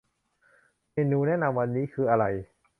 เมนูแนะนำวันนี้คืออะไร